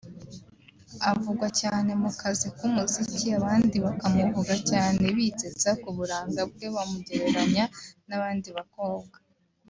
Avugwa cyane mu kazi k’umuziki abandi bakamuvuga cyane bitsitsa ku buranga bwe bamugereranya n’abandi bakobwa